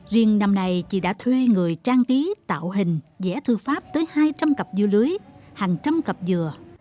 riêng năm nay chị đã thuê người trang trí tạo hình dẻ thư pháp tới hai trăm linh cặp dưa lưới hàng trăm cặp dừa